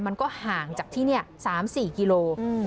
มันก็ห่างจากที่นี่๓๔กิโล